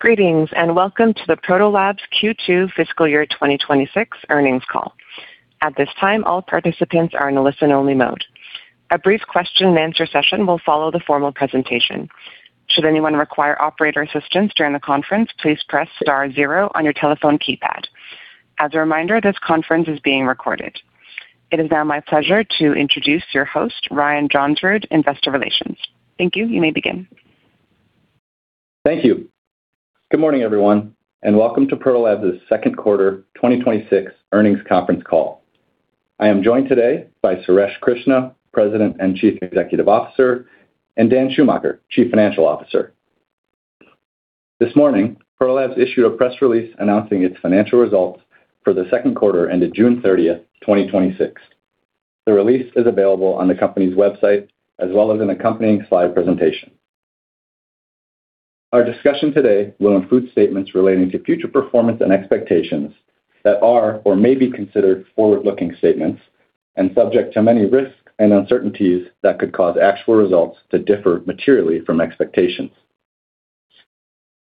Greetings. Welcome to the Proto Labs Q2 fiscal year 2026 earnings call. At this time, all participants are in listen-only mode. A brief question-and-answer session will follow the formal presentation. Should anyone require operator assistance during the conference, please press star zero on your telephone keypad. As a reminder, this conference is being recorded. It is now my pleasure to introduce your host, Ryan Johnsrud, Investor Relations. Thank you. You may begin. Thank you. Good morning, everyone. Welcome to Proto Labs' second quarter 2026 earnings conference call. I am joined today by Suresh Krishna, President and Chief Executive Officer, and Dan Schumacher, Chief Financial Officer. This morning, Proto Labs issued a press release announcing its financial results for the second quarter ended June 30th, 2026. The release is available on the company's website as well as an accompanying slide presentation. Our discussion today will include statements relating to future performance and expectations that are or may be considered forward-looking statements and subject to many risks and uncertainties that could cause actual results to differ materially from expectations.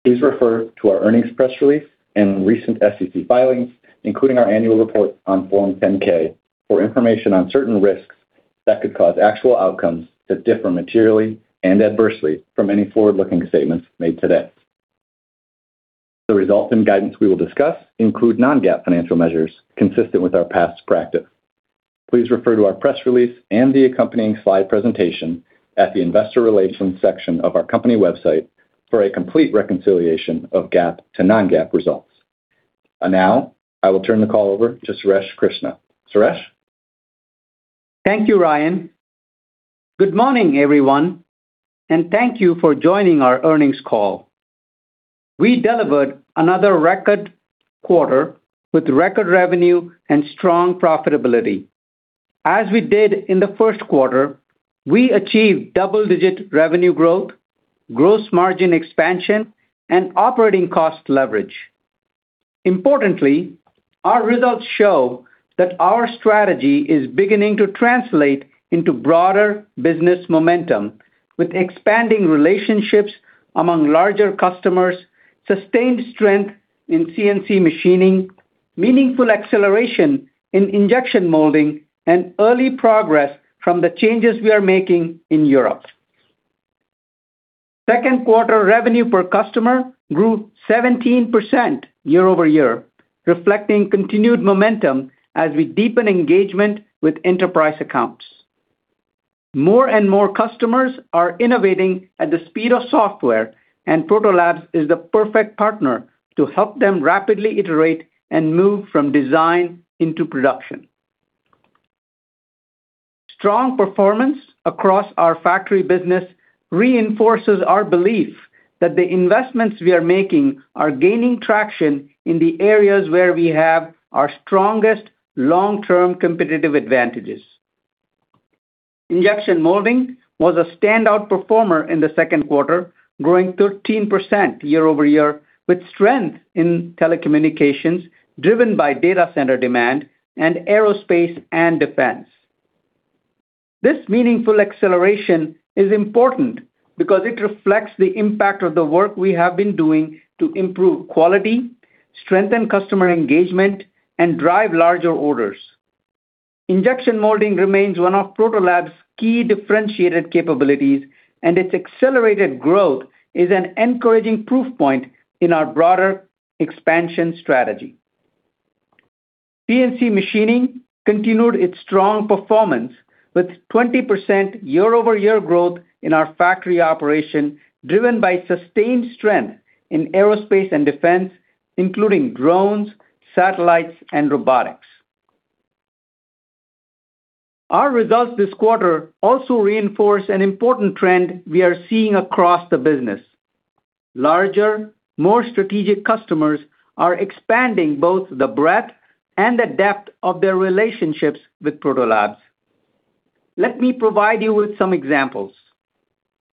Please refer to our earnings press release and recent SEC filings, including our annual report on Form 10-K, for information on certain risks that could cause actual outcomes to differ materially and adversely from any forward-looking statements made today. The results and guidance we will discuss include non-GAAP financial measures consistent with our past practice. Please refer to our press release and the accompanying slide presentation at the investor relations section of our company website for a complete reconciliation of GAAP to non-GAAP results. I will turn the call over to Suresh Krishna. Suresh? Thank you, Ryan. Good morning, everyone. Thank you for joining our earnings call. We delivered another record quarter with record revenue and strong profitability. As we did in the first quarter, we achieved double-digit revenue growth, gross margin expansion, and operating cost leverage. Importantly, our results show that our strategy is beginning to translate into broader business momentum with expanding relationships among larger customers, sustained strength in CNC Machining, meaningful acceleration in Injection Molding, and early progress from the changes we are making in Europe. Second quarter revenue per customer grew 17% year-over-year, reflecting continued momentum as we deepen engagement with enterprise accounts. More and more customers are innovating at the speed of software, and Proto Labs is the perfect partner to help them rapidly iterate and move from design into production. Strong performance across our factory business reinforces our belief that the investments we are making are gaining traction in the areas where we have our strongest long-term competitive advantages. Injection Molding was a standout performer in the second quarter, growing 13% year-over-year with strength in telecommunications driven by data center demand and aerospace and defense. This meaningful acceleration is important because it reflects the impact of the work we have been doing to improve quality, strengthen customer engagement, and drive larger orders. Injection Molding remains one of Proto Labs' key differentiated capabilities, and its accelerated growth is an encouraging proof point in our broader expansion strategy. CNC Machining continued its strong performance with 20% year-over-year growth in our factory operation driven by sustained strength in aerospace and defense, including drones, satellites, and robotics. Our results this quarter also reinforce an important trend we are seeing across the business. Larger, more strategic customers are expanding both the breadth and the depth of their relationships with Proto Labs. Let me provide you with some examples.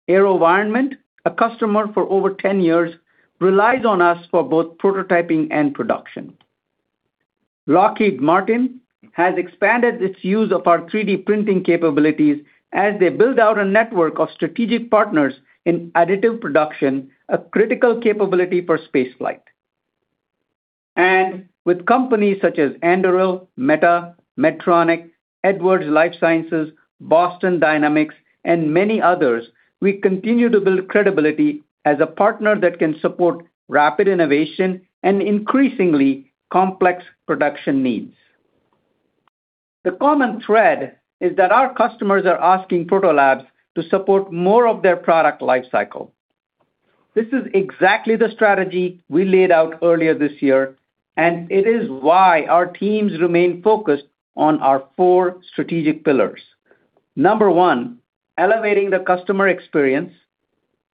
AeroVironment, a customer for over 10 years, relies on us for both prototyping and production. Lockheed Martin has expanded its use of our 3D Printing capabilities as they build out a network of strategic partners in additive production, a critical capability for spaceflight. With companies such as Anduril, Meta, Medtronic, Edwards Lifesciences, Boston Dynamics, and many others, we continue to build credibility as a partner that can support rapid innovation and increasingly complex production needs. The common thread is that our customers are asking Proto Labs to support more of their product lifecycle. This is exactly the strategy we laid out earlier this year, and it is why our teams remain focused on our four strategic pillars. Number one, elevating the customer experience.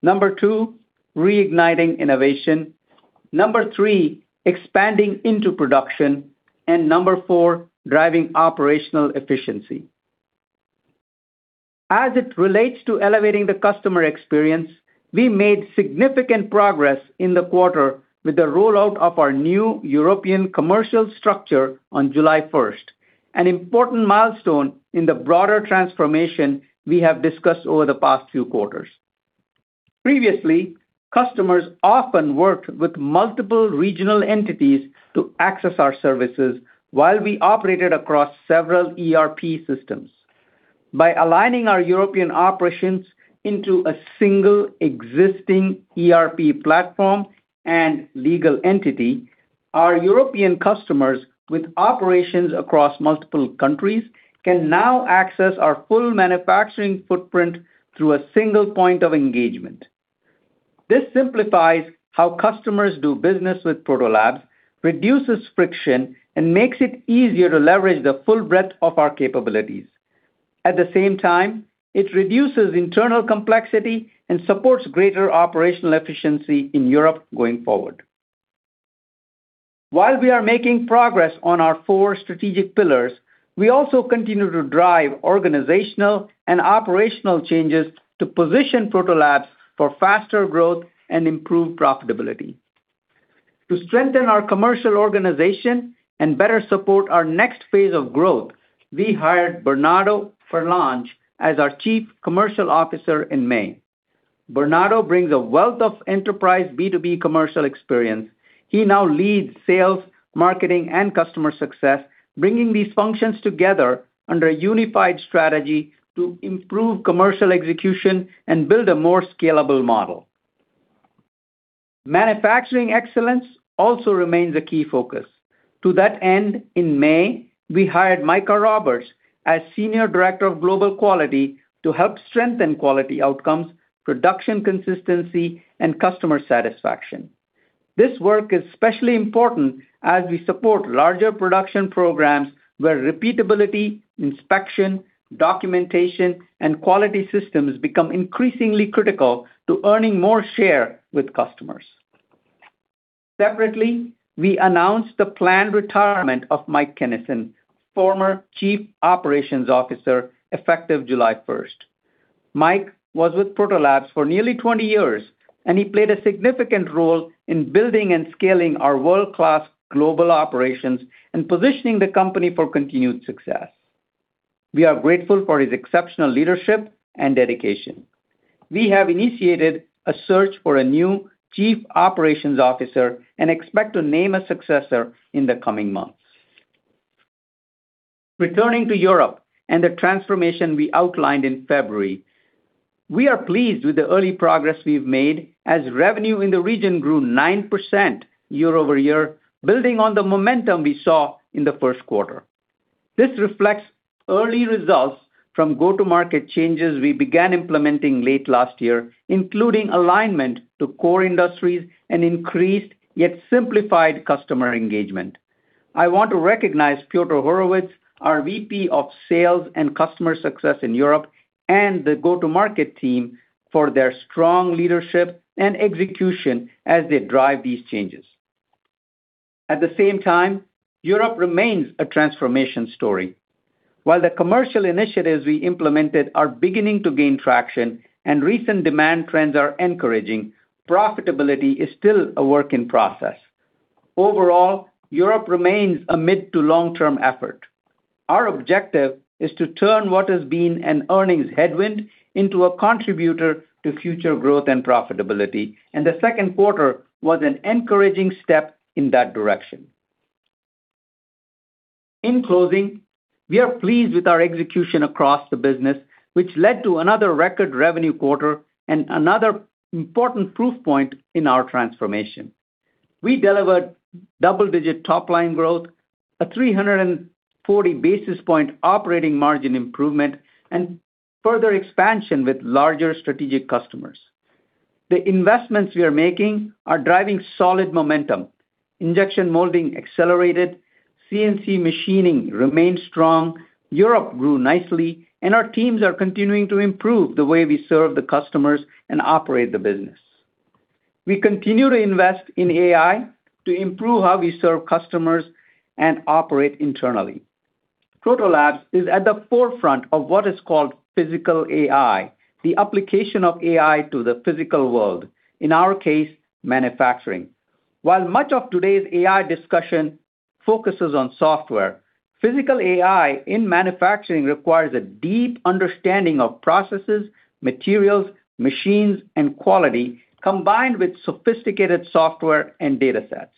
Number two, reigniting innovation. Number three, expanding into production. Number four, driving operational efficiency. As it relates to elevating the customer experience, we made significant progress in the quarter with the rollout of our new European commercial structure on July 1st. An important milestone in the broader transformation we have discussed over the past few quarters. Previously, customers often worked with multiple regional entities to access our services while we operated across several ERP systems. By aligning our European operations into a single existing ERP platform and legal entity, our European customers with operations across multiple countries can now access our full manufacturing footprint through a single point of engagement. This simplifies how customers do business with Proto Labs, reduces friction, and makes it easier to leverage the full breadth of our capabilities. At the same time, it reduces internal complexity and supports greater operational efficiency in Europe going forward. While we are making progress on our four strategic pillars, we also continue to drive organizational and operational changes to position Proto Labs for faster growth and improved profitability. To strengthen our commercial organization and better support our next phase of growth, we hired Bernardo Parlange as our Chief Commercial Officer in May. Bernardo brings a wealth of enterprise B2B commercial experience. He now leads sales, marketing, and customer success, bringing these functions together under a unified strategy to improve commercial execution and build a more scalable model. Manufacturing excellence also remains a key focus. To that end, in May, we hired Micah Roberts as Senior Director of Global Quality to help strengthen quality outcomes, production consistency, and customer satisfaction. This work is especially important as we support larger production programs where repeatability, inspection, documentation, and quality systems become increasingly critical to earning more share with customers. Separately, we announced the planned retirement of Mike Kenison, former Chief Operations Officer, effective July 1st. Mike was with Proto Labs for nearly 20 years, and he played a significant role in building and scaling our world-class global operations and positioning the company for continued success. We are grateful for his exceptional leadership and dedication. We have initiated a search for a new Chief Operations Officer and expect to name a successor in the coming months. Returning to Europe and the transformation we outlined in February, we are pleased with the early progress we've made as revenue in the region grew 9% year-over-year, building on the momentum we saw in the first quarter. This reflects early results from go-to-market changes we began implementing late last year, including alignment to core industries and increased, yet simplified customer engagement. I want to recognize Pjotr Horowitz, our VP of Sales and Customer Success in Europe, and the go-to-market team, for their strong leadership and execution as they drive these changes. At the same time, Europe remains a transformation story. While the commercial initiatives we implemented are beginning to gain traction and recent demand trends are encouraging, profitability is still a work in process. Overall, Europe remains a mid-to-long-term effort. Our objective is to turn what has been an earnings headwind into a contributor to future growth and profitability, and the second quarter was an encouraging step in that direction. In closing, we are pleased with our execution across the business, which led to another record revenue quarter and another important proof point in our transformation. We delivered double-digit top-line growth, a 340 basis point operating margin improvement, and further expansion with larger strategic customers. The investments we are making are driving solid momentum. Injection Molding accelerated, CNC Machining remained strong, Europe grew nicely, and our teams are continuing to improve the way we serve the customers and operate the business. We continue to invest in AI to improve how we serve customers and operate internally. Proto Labs is at the forefront of what is called physical AI, the application of AI to the physical world. In our case, manufacturing. While much of today's AI discussion focuses on software, physical AI in manufacturing requires a deep understanding of processes, materials, machines, and quality, combined with sophisticated software and data sets.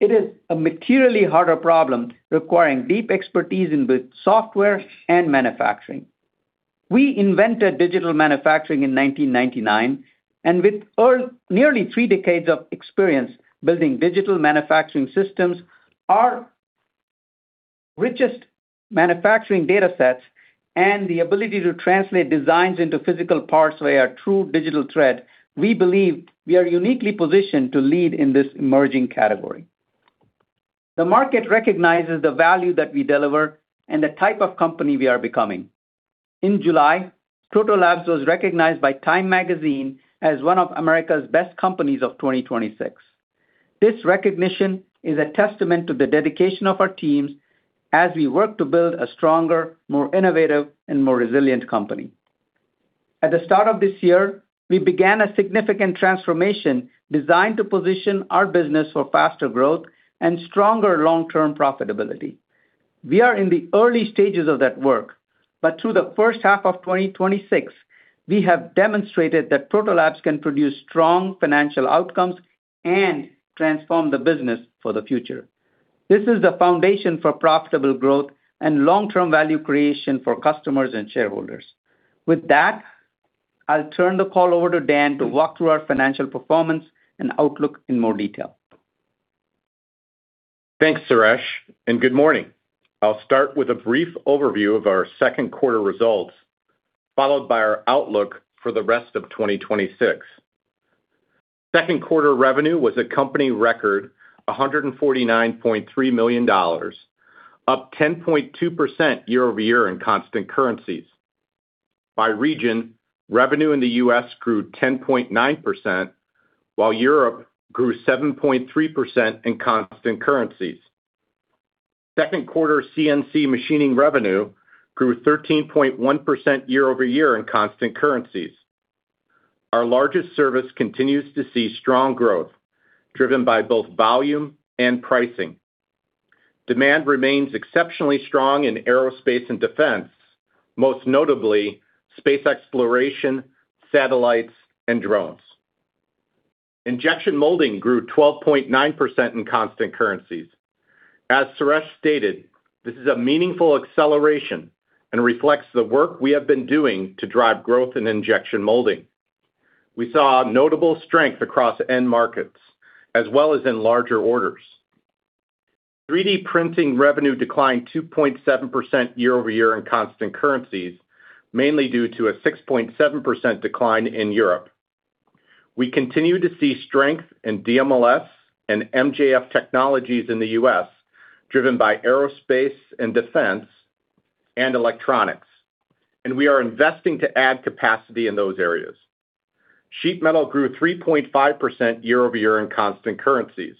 It is a materially harder problem, requiring deep expertise in both software and manufacturing. We invented digital manufacturing in 1999, and with nearly three decades of experience building digital manufacturing systems, our richest manufacturing data sets, and the ability to translate designs into physical parts via true digital thread, we believe we are uniquely positioned to lead in this emerging category. The market recognizes the value that we deliver and the type of company we are becoming. In July, Proto Labs was recognized by "TIME" magazine as one of America's best companies of 2026. This recognition is a testament to the dedication of our teams as we work to build a stronger, more innovative, and more resilient company. At the start of this year, we began a significant transformation designed to position our business for faster growth and stronger long-term profitability. We are in the early stages of that work. Through the first half of 2026, we have demonstrated that Proto Labs can produce strong financial outcomes and transform the business for the future. This is the foundation for profitable growth and long-term value creation for customers and shareholders. With that, I'll turn the call over to Dan to walk through our financial performance and outlook in more detail. Thanks, Suresh. Good morning. I'll start with a brief overview of our second quarter results, followed by our outlook for the rest of 2026. Second quarter revenue was a company record, $149.3 million, up 10.2% year-over-year in constant currencies. By region, revenue in the U.S. grew 10.9%, while Europe grew 7.3% in constant currencies. Second quarter CNC Machining revenue grew 13.1% year-over-year in constant currencies. Our largest service continues to see strong growth, driven by both volume and pricing. Demand remains exceptionally strong in aerospace and defense, most notably space exploration, satellites, and drones. Injection Molding grew 12.9% in constant currencies. As Suresh stated, this is a meaningful acceleration and reflects the work we have been doing to drive growth in Injection Molding. We saw notable strength across end markets, as well as in larger orders. 3D Printing revenue declined 2.7% year-over-year in constant currencies, mainly due to a 6.7% decline in Europe. We continue to see strength in DMLS and MJF technologies in the U.S., driven by aerospace and defense and electronics. We are investing to add capacity in those areas. Sheet Metal grew 3.5% year-over-year in constant currencies.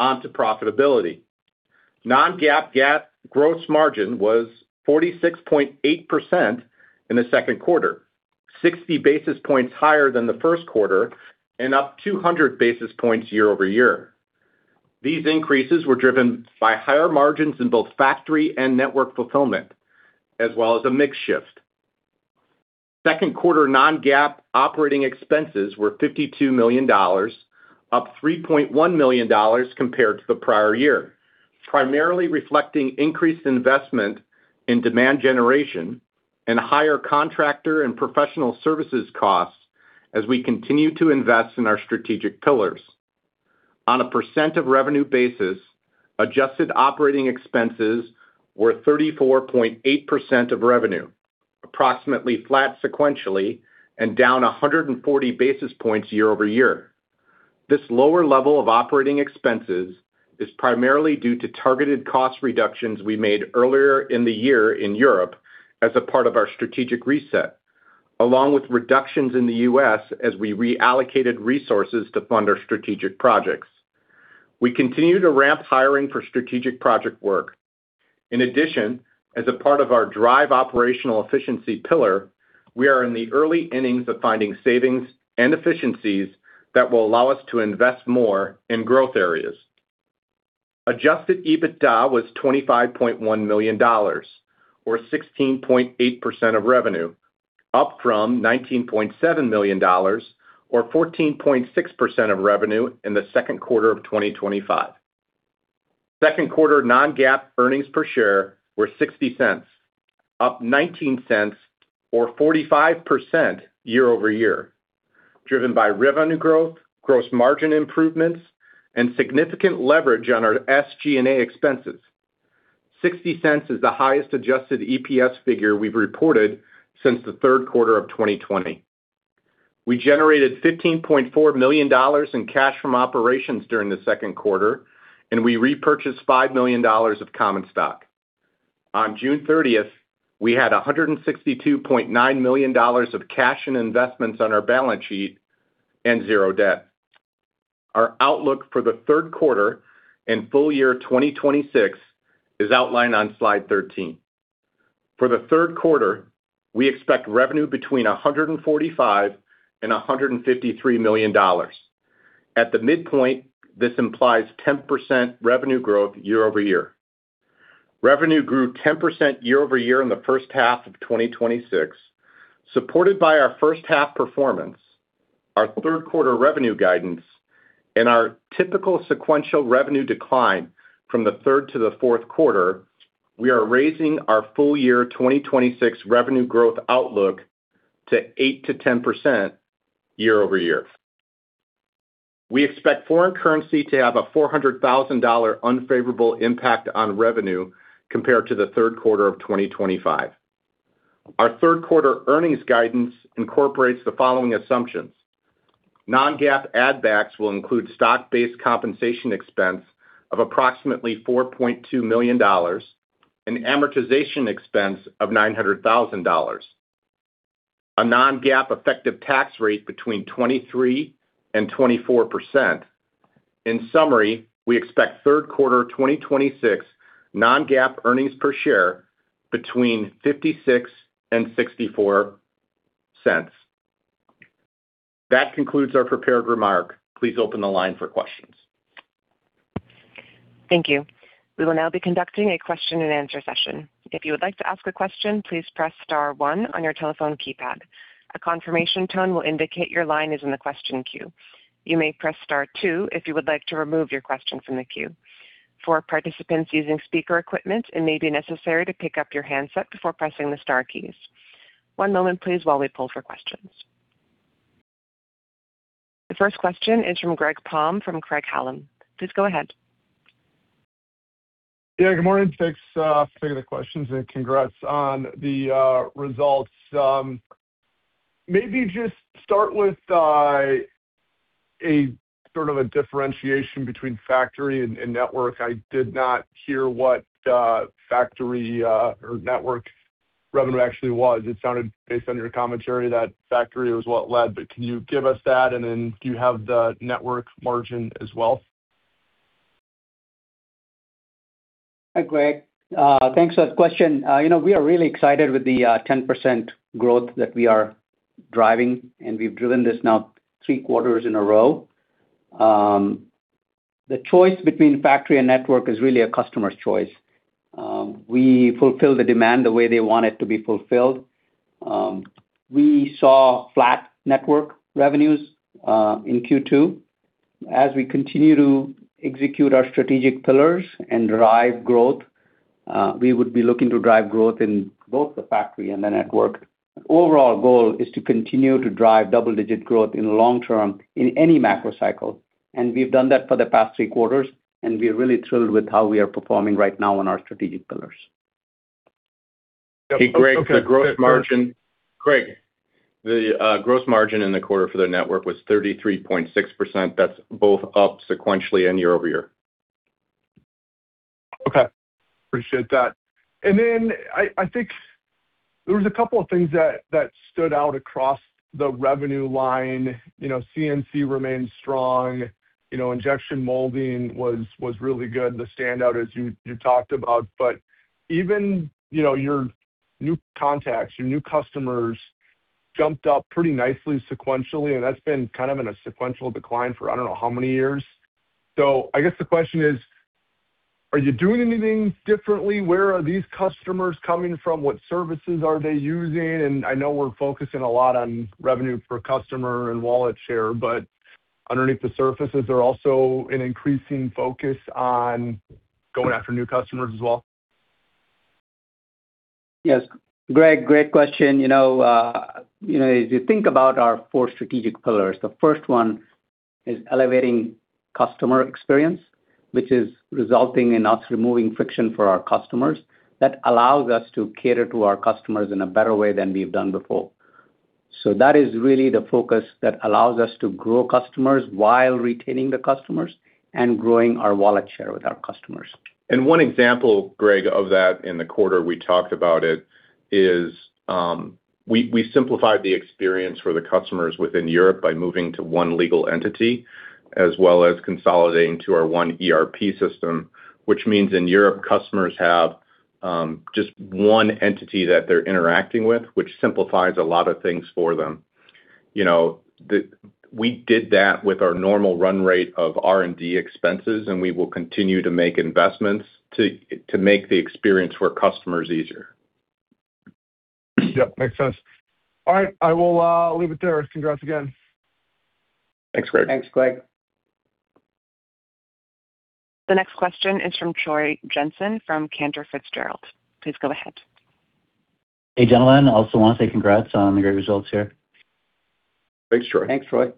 On to profitability. Non-GAAP gross margin was 46.8% in the second quarter, 60 basis points higher than the first quarter, and up 200 basis points year-over-year. These increases were driven by higher margins in both factory and network fulfillment, as well as a mix shift. Second quarter non-GAAP operating expenses were $52 million, up $3.1 million compared to the prior year, primarily reflecting increased investment in demand generation and higher contractor and professional services costs as we continue to invest in our strategic pillars. On a percent of revenue basis, adjusted operating expenses were 34.8% of revenue, approximately flat sequentially and down 140 basis points year-over-year. This lower level of operating expenses is primarily due to targeted cost reductions we made earlier in the year in Europe as a part of our strategic reset, along with reductions in the U.S. as we reallocated resources to fund our strategic projects. We continue to ramp hiring for strategic project work. In addition, as a part of our drive operational efficiency pillar, we are in the early innings of finding savings and efficiencies that will allow us to invest more in growth areas. Adjusted EBITDA was $25.1 million, or 16.8% of revenue, up from $19.7 million, or 14.6% of revenue, in the second quarter of 2025. Second quarter non-GAAP earnings per share were $0.60, up $0.19 or 45% year-over-year, driven by revenue growth, gross margin improvements, and significant leverage on our SG&A expenses. $0.60 is the highest adjusted EPS figure we've reported since the third quarter of 2020. We generated $15.4 million in cash from operations during the second quarter, and we repurchased $5 million of common stock. On June 30, we had $162.9 million of cash and investments on our balance sheet and zero debt. Our outlook for the third quarter and full year 2026 is outlined on slide 13. For the third quarter, we expect revenue between $145 million and $153 million. At the midpoint, this implies 10% revenue growth year-over-year. Revenue grew 10% year-over-year in the first half of 2026. Supported by our first half performance, our third quarter revenue guidance, and our typical sequential revenue decline from the third to the fourth quarter, we are raising our full year 2026 revenue growth outlook to 8%-10% year-over-year. We expect foreign currency to have a $400,000 unfavorable impact on revenue compared to the third quarter of 2025. Our third quarter earnings guidance incorporates the following assumptions. Non-GAAP add-backs will include stock-based compensation expense of approximately $4.2 million and amortization expense of $900,000. A non-GAAP effective tax rate between 23% and 24%. In summary, we expect third quarter 2026 non-GAAP earnings per share between $0.56 and $0.64. That concludes our prepared remark. Please open the line for questions. Thank you. We will now be conducting a question-and-answer session. If you would like to ask a question, please press star one on your telephone keypad. A confirmation tone will indicate your line is in the question queue. You may press star two if you would like to remove your question from the queue. For participants using speaker equipment, it may be necessary to pick up your handset before pressing the star keys. One moment please while we pull for questions. The first question is from Greg Palm from Craig-Hallum. Please go ahead. Yeah, good morning. Thanks for taking the questions and congrats on the results. Maybe just start with a differentiation between factory and Network. I did not hear what factory or Network revenue actually was. It sounded, based on your commentary, that factory was what led, but can you give us that, and then do you have the Network margin as well? Hi, Greg. Thanks for that question. We are really excited with the 10% growth that we are driving, and we've driven this now three quarters in a row. The choice between factory and network is really a customer's choice. We fulfill the demand the way they want it to be fulfilled. We saw flat network revenues in Q2. As we continue to execute our strategic pillars and drive growth, we would be looking to drive growth in both the factory and the network. Overall goal is to continue to drive double-digit growth in the long term in any macro cycle, and we've done that for the past three quarters, and we're really thrilled with how we are performing right now on our strategic pillars. Hey, Greg, the gross margin in the quarter for the network was 33.6%. That's both up sequentially and year-over-year. Okay. Appreciate that. I think there was a couple of things that stood out across the revenue line. CNC remains strong. Injection molding was really good, the standout as you talked about. Even your new contacts, your new customers jumped up pretty nicely sequentially, and that's been in a sequential decline for I don't know how many years. I guess the question is, are you doing anything differently? Where are these customers coming from? What services are they using? I know we're focusing a lot on revenue per customer and wallet share, but underneath the surface, is there also an increasing focus on going after new customers as well? Yes, Greg, great question. As you think about our four strategic pillars, the first one is elevating customer experience, which is resulting in us removing friction for our customers. That allows us to cater to our customers in a better way than we've done before. That is really the focus that allows us to grow customers while retaining the customers and growing our wallet share with our customers. One example, Greg, of that in the quarter we talked about it is, we simplified the experience for the customers within Europe by moving to one legal entity, as well as consolidating to our one ERP system, which means in Europe, customers have just one entity that they're interacting with, which simplifies a lot of things for them. We did that with our normal run rate of R&D expenses, and we will continue to make investments to make the experience for customers easier. Yep, makes sense. All right, I will leave it there. Congrats again. Thanks, Greg. Thanks, Greg. The next question is from Troy Jensen from Cantor Fitzgerald. Please go ahead. Hey, gentlemen. Want to say congrats on the great results here. Thanks, Troy. Thanks, Troy.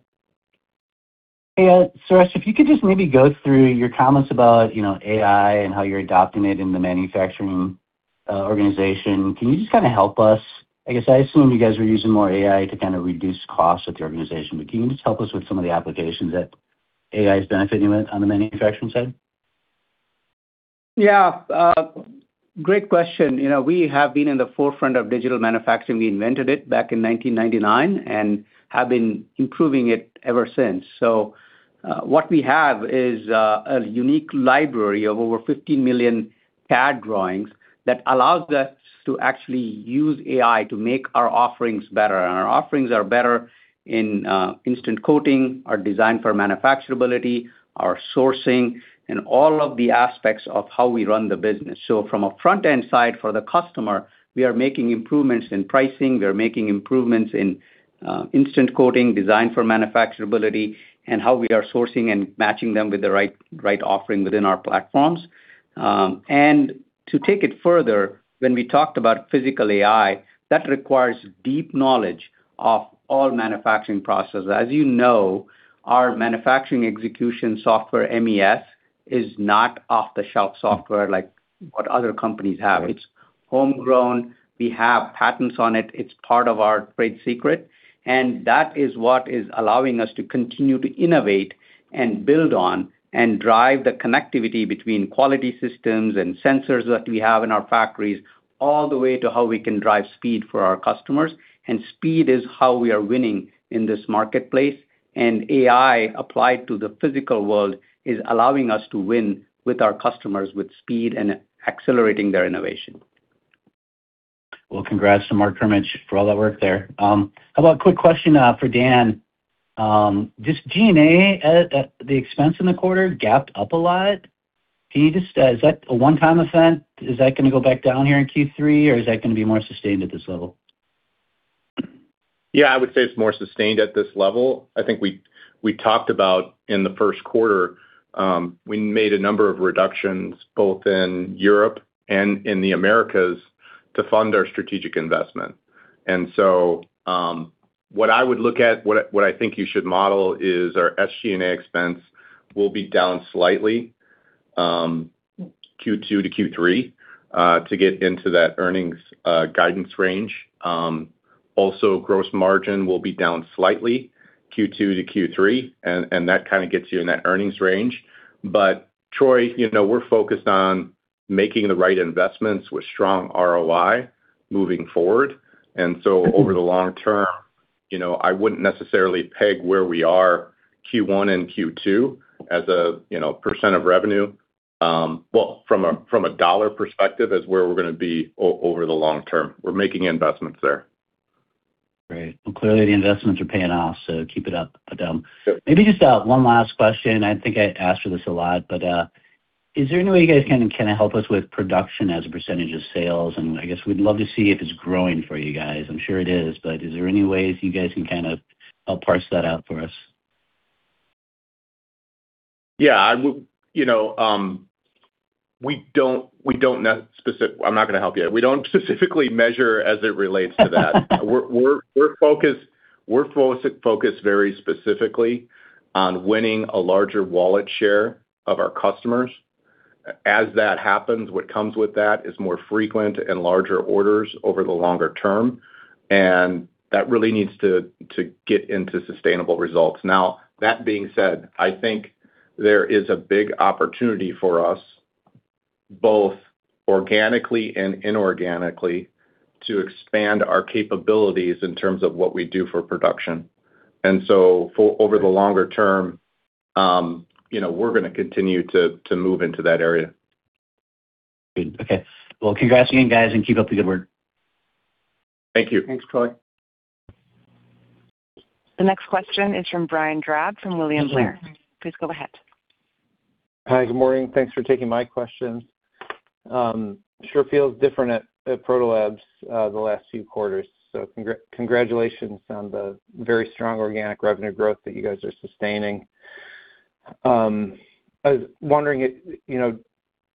Hey, Suresh, if you could just maybe go through your comments about AI and how you're adopting it in the manufacturing organization. Can you just kind of help us? I guess I assume you guys are using more AI to kind of reduce costs with your organization, but can you just help us with some of the applications that AI is benefiting with on the manufacturing side? Yeah. Great question. We have been in the forefront of digital manufacturing. We invented it back in 1999 and have been improving it ever since. What we have is a unique library of over 15 million CAD drawings that allows us to actually use AI to make our offerings better. Our offerings are better in instant quoting, our design for manufacturability, our sourcing, and all of the aspects of how we run the business. From a front-end side for the customer, we are making improvements in pricing, we are making improvements in instant quoting, design for manufacturability, and how we are sourcing and matching them with the right offering within our platforms. To take it further, when we talked about physical AI, that requires deep knowledge of all manufacturing processes. As you know, our manufacturing execution software, MES, is not off-the-shelf software like what other companies have. It's homegrown. We have patents on it. It's part of our trade secret, and that is what is allowing us to continue to innovate and build on and drive the connectivity between quality systems and sensors that we have in our factories, all the way to how we can drive speed for our customers. Speed is how we are winning in this marketplace. AI applied to the physical world is allowing us to win with our customers with speed and accelerating their innovation. Well, congrats to Marc Kermisch for all that work there. How about a quick question for Dan? Just G&A at the expense in the quarter gapped up a lot. Is that a one-time event? Is that going to go back down here in Q3, or is that going to be more sustained at this level? Yeah, I would say it's more sustained at this level. I think we talked about in the first quarter, we made a number of reductions both in Europe and in the Americas to fund our strategic investment. What I would look at, what I think you should model is our SG&A expense will be down slightly Q2 to Q3 to get into that earnings guidance range. Also, gross margin will be down slightly Q2 to Q3, that kind of gets you in that earnings range. Troy, we're focused on making the right investments with strong ROI moving forward. Over the long term, I wouldn't necessarily peg where we are Q1 and Q2 as a percent of revenue. Well, from a dollar perspective as where we're going to be over the long term. We're making investments there. Great. Well, clearly the investments are paying off, keep it up, Dan. Sure. Maybe just one last question. I think I asked you this a lot, is there any way you guys can help us with production as a percentage of sales? I guess we'd love to see if it's growing for you guys. I'm sure it is there any ways you guys can help parse that out for us? Yeah. I'm not going to help you. We don't specifically measure as it relates to that. We're focused very specifically on winning a larger wallet share of our customers. As that happens, what comes with that is more frequent and larger orders over the longer term, that really needs to get into sustainable results. Now, that being said, I think there is a big opportunity for us, both organically and inorganically, to expand our capabilities in terms of what we do for production. For over the longer term, we're going to continue to move into that area. Good. Okay. Well, congrats again, guys, and keep up the good work. Thank you. Thanks, Troy. The next question is from Brian Drab from William Blair. Please go ahead. Hi. Good morning. Thanks for taking my questions. Sure feels different at Proto Labs the last few quarters, so congratulations on the very strong organic revenue growth that you guys are sustaining. I was wondering,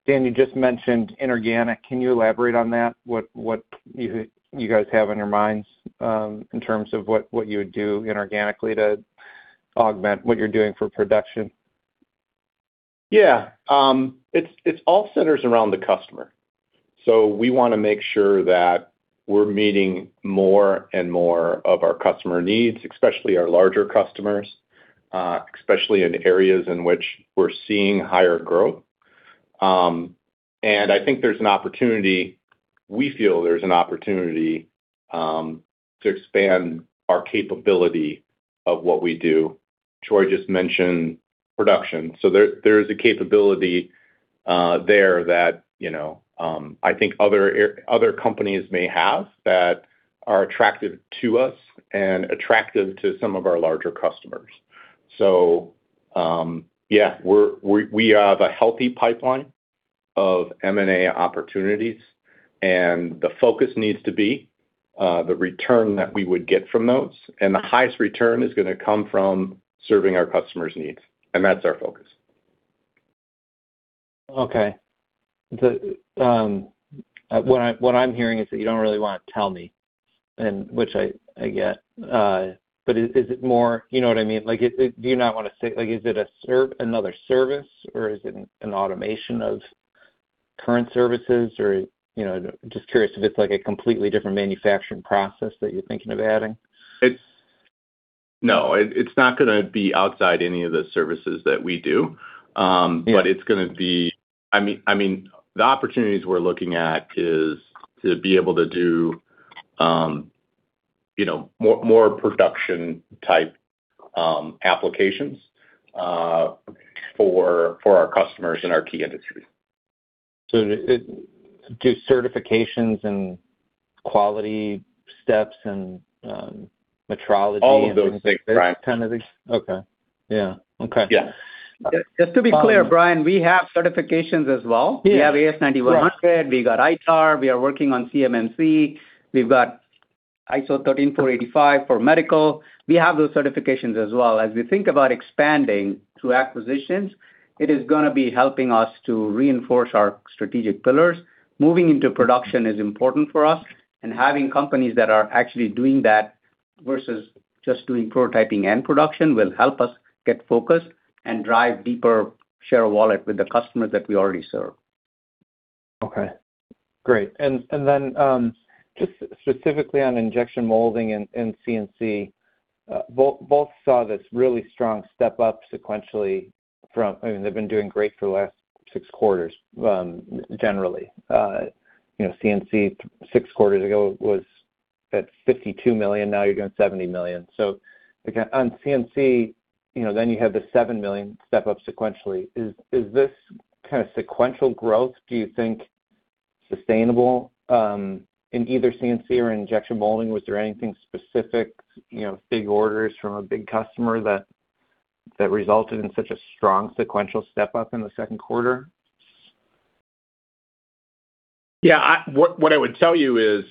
Dan, you just mentioned inorganic. Can you elaborate on that? What you guys have on your minds in terms of what you would do inorganically to augment what you're doing for production? Yeah. It all centers around the customer. We want to make sure that we're meeting more and more of our customer needs, especially our larger customers, especially in areas in which we're seeing higher growth. I think there's an opportunity, we feel there's an opportunity, to expand our capability of what we do. Troy just mentioned production. There is a capability there that I think other companies may have that are attractive to us and attractive to some of our larger customers. Yeah, we have a healthy pipeline of M&A opportunities, and the focus needs to be the return that we would get from those, and the highest return is going to come from serving our customers' needs, and that's our focus. Okay. What I'm hearing is that you don't really want to tell me, which I get. Is it more, you know what I mean? Is it another service, or is it an automation of current services? Just curious if it's like a completely different manufacturing process that you're thinking of adding. No. It's not going to be outside any of the services that we do. Yeah. The opportunities we're looking at is to be able to do more production-type applications for our customers in our key industries. do certifications and quality steps and metrology. All of those things, Brian okay. Yeah. Okay. Yeah. Just to be clear, Brian, we have certifications as well. Yeah. We have AS9100. We got ITAR. We are working on CMMC. We've got ISO 13485 for medical. We have those certifications as well. We think about expanding through acquisitions, it is going to be helping us to reinforce our strategic pillars. Moving into production is important for us. Having companies that are actually doing that versus just doing prototyping and production will help us get focused and drive deeper share of wallet with the customers that we already serve. Okay, great. Then just specifically on Injection Molding and CNC, both saw this really strong step-up sequentially from They've been doing great for the last six quarters, generally. CNC, six quarters ago, was at $52 million, now you're doing $70 million. On CNC, then you have the $7 million step up sequentially. Is this kind of sequential growth, do you think, sustainable in either CNC or Injection Molding? Was there anything specific, big orders from a big customer that resulted in such a strong sequential step up in the second quarter? Yeah. What I would tell you is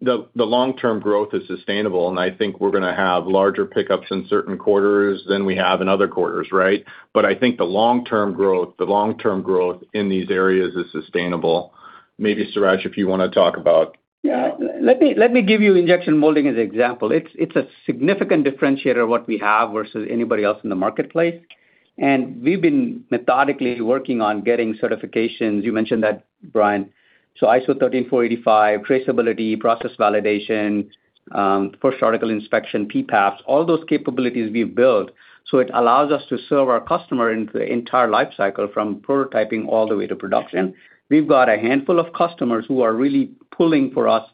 the long-term growth is sustainable. I think we're going to have larger pickups in certain quarters than we have in other quarters, right? I think the long-term growth in these areas is sustainable. Maybe Suresh, if you want to talk about. Let me give you Injection Molding as an example. It's a significant differentiator what we have versus anybody else in the marketplace. We've been methodically working on getting certifications, you mentioned that, Brian. ISO 13485, traceability, process validation, first article inspection, PPAP, all those capabilities we've built. It allows us to serve our customer into the entire life cycle, from prototyping all the way to production. We've got a handful of customers who are really pulling for us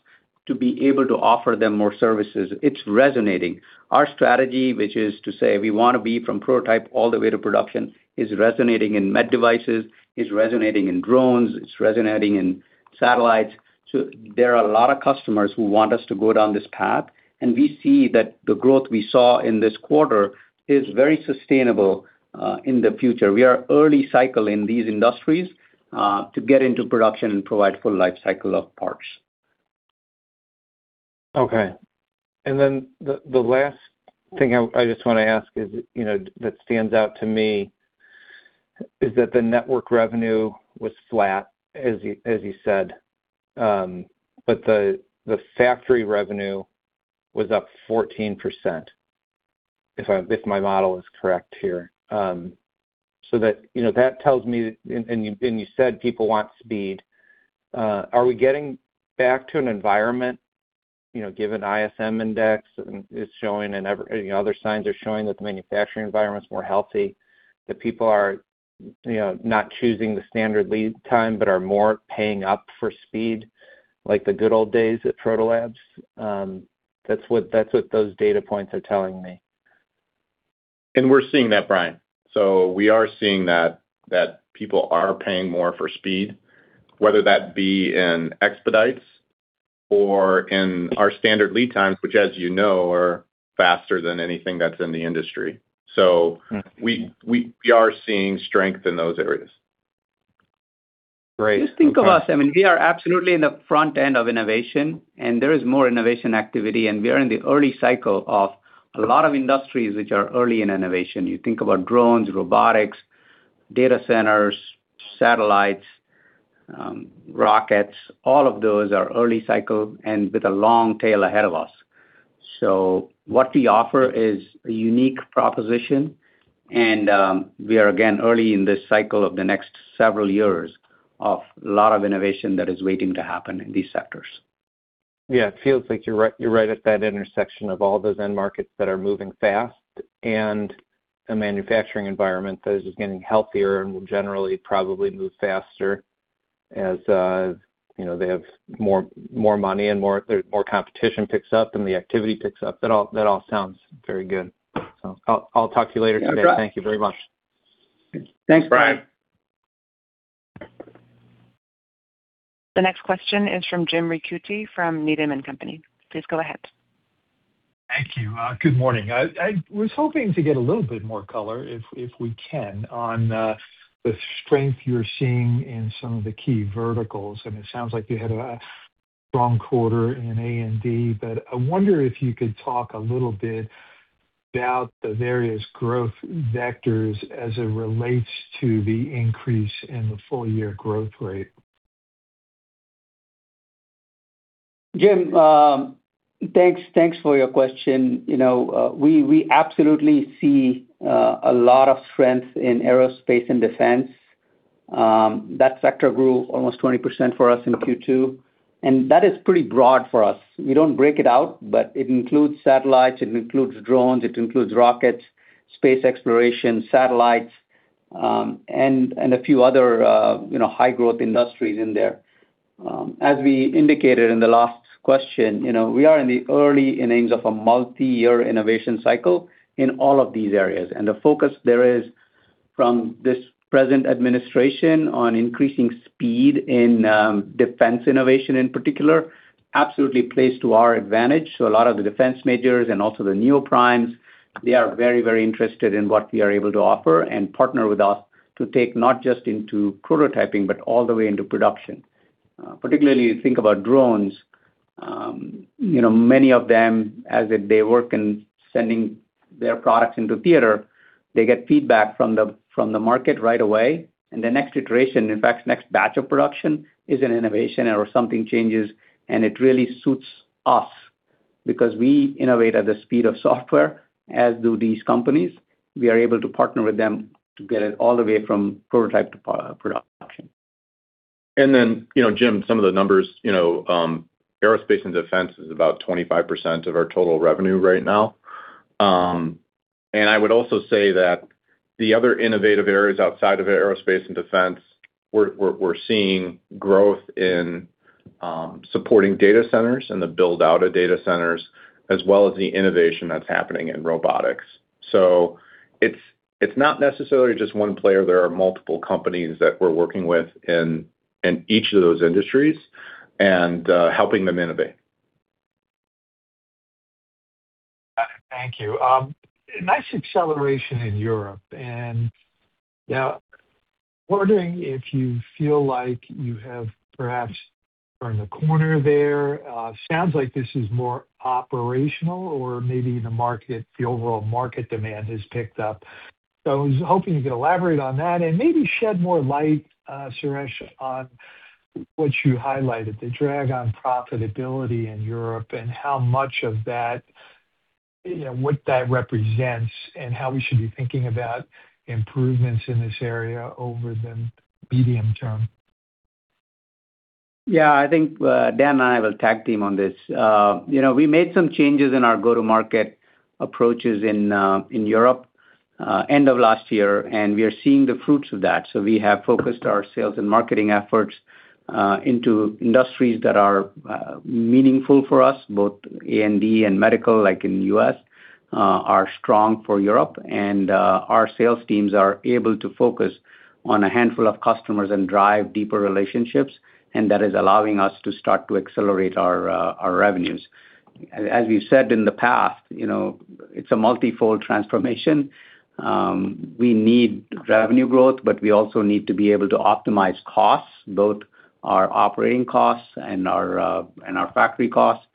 to be able to offer them more services. It's resonating. Our strategy, which is to say we want to be from prototype all the way to production, is resonating in med devices, is resonating in drones, it's resonating in satellites. There are a lot of customers who want us to go down this path, we see that the growth we saw in this quarter is very sustainable in the future. We are early cycle in these industries, to get into production and provide full life cycle of parts. The last thing I just want to ask is, that stands out to me, is that the network revenue was flat, as you said. The factory revenue was up 14%, if my model is correct here. That tells me, and you said people want speed. Are we getting back to an environment, given ISM index is showing and other signs are showing that the manufacturing environment's more healthy, that people are not choosing the standard lead time, but are more paying up for speed, like the good old days at Proto Labs? That's what those data points are telling me. We're seeing that, Brian. We are seeing that people are paying more for speed, whether that be in expedites or in our standard lead times, which as you know, are faster than anything that's in the industry. We are seeing strength in those areas. Great. Okay. Just think of us. I mean, we are absolutely in the front end of innovation. There is more innovation activity. We are in the early cycle of a lot of industries which are early in innovation. You think about drones, robotics, data centers, satellites, rockets. All of those are early cycle and with a long tail ahead of us. What we offer is a unique proposition. We are, again, early in this cycle of the next several years of a lot of innovation that is waiting to happen in these sectors. Yeah. It feels like you're right at that intersection of all those end markets that are moving fast and a manufacturing environment that is just getting healthier and will generally probably move faster as they have more money and more competition picks up, then the activity picks up. That all sounds very good. I'll talk to you later today. Yeah, got it. Thank you very much. Thanks, Brian. The next question is from Jim Ricchiuti from Needham & Company. Please go ahead. Thank you. Good morning. I was hoping to get a little bit more color, if we can, on the strength you're seeing in some of the key verticals. It sounds like you had a strong quarter in A&D. I wonder if you could talk a little bit about the various growth vectors as it relates to the increase in the full-year growth rate. Jim, thanks for your question. We absolutely see a lot of strength in aerospace and defense. That sector grew almost 20% for us in Q2, and that is pretty broad for us. We don't break it out, but it includes satellites, it includes drones, it includes rockets, space exploration, satellites, and a few other high growth industries in there. As we indicated in the last question, we are in the early innings of a multi-year innovation cycle in all of these areas. The focus there is from this present administration on increasing speed in defense innovation, in particular, absolutely plays to our advantage. A lot of the defense majors and also the neo-primes, they are very interested in what we are able to offer and partner with us to take not just into prototyping, but all the way into production. Particularly you think about drones, many of them, as they work in sending their products into theater, they get feedback from the market right away. The next iteration, in fact, next batch of production, is an innovation or something changes, and it really suits us because we innovate at the speed of software, as do these companies. We are able to partner with them to get it all the way from prototype to production. Jim, some of the numbers, aerospace and defense is about 25% of our total revenue right now. I would also say that the other innovative areas outside of aerospace and defense, we're seeing growth in supporting data centers and the build-out of data centers, as well as the innovation that's happening in robotics. It's not necessarily just one player. There are multiple companies that we're working with in each of those industries and helping them innovate. Thank you. Nice acceleration in Europe. Now wondering if you feel like you have perhaps turned a corner there. Sounds like this is more operational or maybe the overall market demand has picked up. I was hoping you could elaborate on that and maybe shed more light, Suresh, on what you highlighted, the drag on profitability in Europe and how much of that, what that represents and how we should be thinking about improvements in this area over the medium term. Yeah, Dan and I will tag team on this. We made some changes in our go-to-market approaches in Europe end of last year, and we are seeing the fruits of that. We have focused our sales and marketing efforts into industries that are meaningful for us, both A&D and medical, like in the U.S., are strong for Europe. Our sales teams are able to focus on a handful of customers and drive deeper relationships, and that is allowing us to start to accelerate our revenues. As we've said in the past, it's a multifold transformation. We need revenue growth, but we also need to be able to optimize costs, both our operating costs and our factory costs.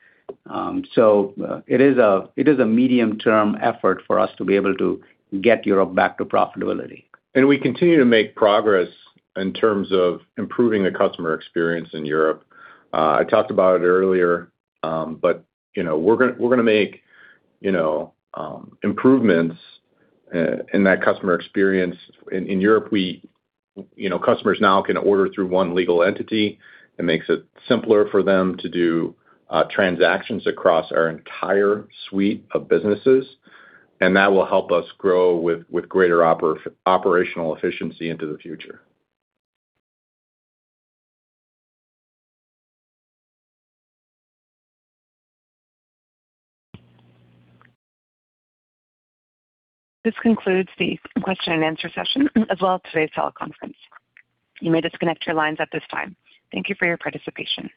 It is a medium-term effort for us to be able to get Europe back to profitability. We continue to make progress in terms of improving the customer experience in Europe. I talked about it earlier, but we're going to make improvements in that customer experience in Europe. Customers now can order through one legal entity. It makes it simpler for them to do transactions across our entire suite of businesses, that will help us grow with greater operational efficiency into the future. This concludes the question and answer session as well as today's teleconference. You may disconnect your lines at this time. Thank you for your participation.